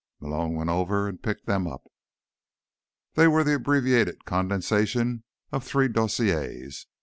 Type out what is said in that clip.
Malone went over and picked them up. They were the abbreviated condensations of three dossiers.